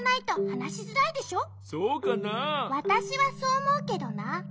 わたしはそうおもうけどな。